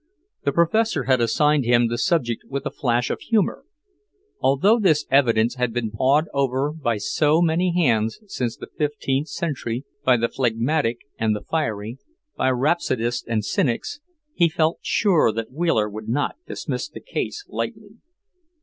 The Professor had assigned him the subject with a flash of humour. Although this evidence had been pawed over by so many hands since the fifteenth century, by the phlegmatic and the fiery, by rhapsodists and cynics, he felt sure that Wheeler would not dismiss the case lightly.